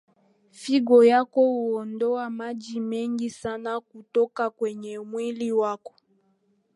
figo yako huondoa maji mengi sana kutoka kwenye mwili wako